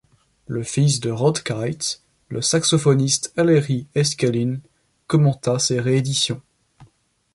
Le fils de Rodd Keith, le saxophoniste Ellery Eskelin, commenta ces rééditions.